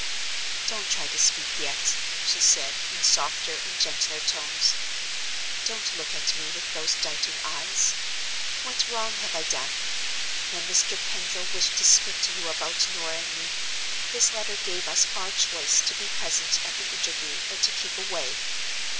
"Don't try to speak yet," she said, in softer and gentler tones. "Don't look at me with those doubting eyes. What wrong have I done? When Mr. Pendril wished to speak to you about Norah and me, his letter gave us our choice to be present at the interview, or to keep away.